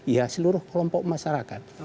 ya seluruh kelompok masyarakat